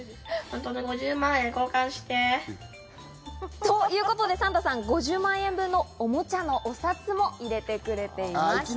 何？ということで、サンタさん、５０万円分のおもちゃのお札も入れてくれていました。